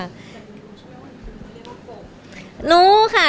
แต่คุณรู้ใช่ไหมว่าคุณเรียกว่ากบ